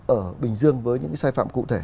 ở bình dương với những cái sai phạm cụ thể